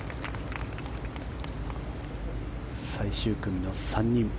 最終組の３人。